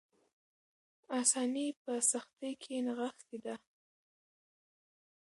آساني په سختۍ کې نغښتې ده.